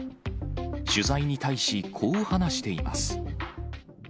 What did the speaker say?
取材に対し、こう話しています。